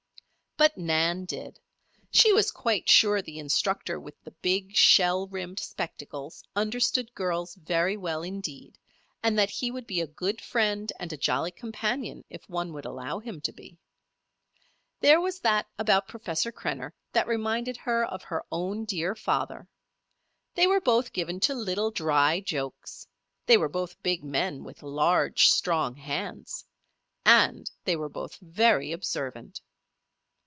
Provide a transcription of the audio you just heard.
But Nan did. She was quite sure the instructor with the big, shell rimmed spectacles, understood girls very well indeed, and that he would be a good friend and a jolly companion if one would allow him to be. There was that about Professor Krenner that reminded her of her own dear father. They were both given to little, dry jokes; they were both big men, with large, strong hands; and they were both very observant.